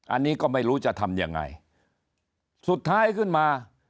อันนี้ก็ไม่รู้จะทำยังไงสุดท้ายขึ้นมา